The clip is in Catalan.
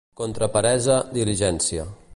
Contra peresa, diligencia.